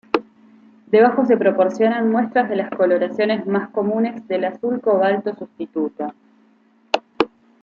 Debajo se proporcionan muestras de las coloraciones más comunes del azul cobalto sustituto.